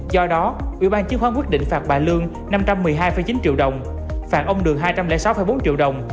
do đó ủy ban chứng khoán quyết định phạt bà lương năm trăm một mươi hai chín triệu đồng phạt ông đường hai trăm linh sáu bốn triệu đồng